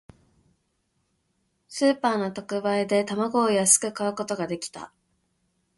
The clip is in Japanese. スーパーの特売で、卵を安く買うことができた。